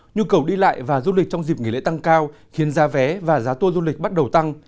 nhu cầu đi lại và du lịch trong dịp nghỉ lễ tăng cao khiến giá vé và giá tour du lịch bắt đầu tăng